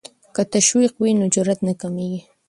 که تشویق وي نو جرات نه کمېږي.